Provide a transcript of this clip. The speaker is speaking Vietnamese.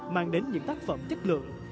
mang đến những tác phẩm chất lượng